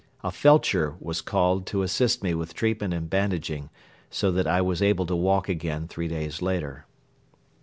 A felcher was called to assist me with treatment and bandaging, so that I was able to walk again three days later.